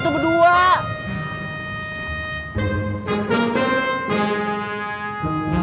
memang itu berdua